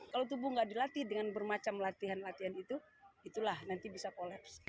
kalau tubuh nggak dilatih dengan bermacam latihan latihan itu itulah nanti bisa kolaps